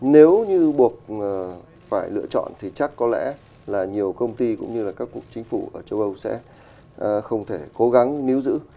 nếu như buộc phải lựa chọn thì chắc có lẽ là nhiều công ty cũng như là các cụ chính phủ ở châu âu sẽ không thể cố gắng níu giữ